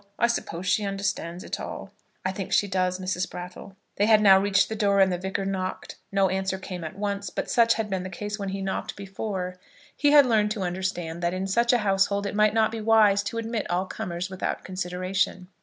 I suppose she understands it all." "I think she does, Mrs. Brattle." They had now reached the door, and the Vicar knocked. No answer came at once; but such had been the case when he knocked before. He had learned to understand that in such a household it might not be wise to admit all comers without consideration.